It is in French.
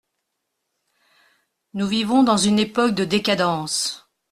Nous vivons dans une époque de décadence…